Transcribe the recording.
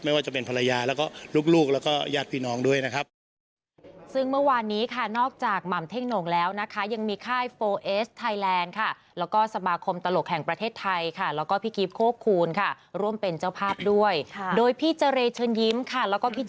ไม่ว่าจะเป็นภรรยาแล้วก็ลูกแล้วก็ญาติพี่น้องด้วยนะครับ